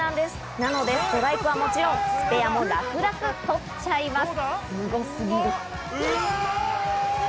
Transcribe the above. なのでストライクはもちろん、スペアも楽々、取っちゃいます。